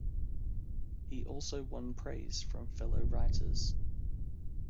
He also won praise from fellow writers.